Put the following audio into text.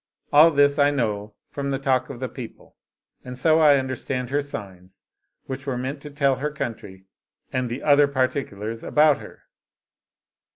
All this I knew from the talk of the people, and so I understood her signs, which were meant to tell her country and the other particulars about her."